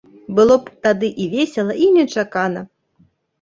Было б тады і весела, і нечакана.